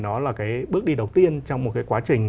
đó là cái bước đi đầu tiên trong một cái quá trình